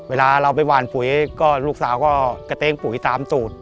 เวลาเราไปหวานปุ๋ยก็ลูกสาวก็กระเตงปุ๋ยตามสูตร